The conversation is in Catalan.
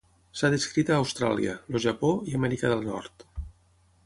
S'ha descrit a Austràlia, el Japó i Amèrica del Nord.